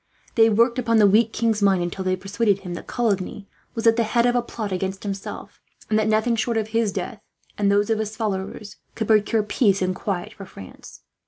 They worked upon the weak king's mind, until they persuaded him that Coligny was at the head of a plot against himself; and that nothing short of his death, and those of his followers, could procure peace and quiet for France.